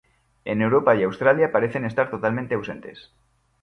En Europa y Australia parecen estar totalmente ausentes.